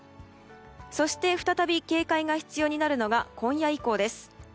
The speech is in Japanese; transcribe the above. そして再び警戒が必要になるのが今夜以降です。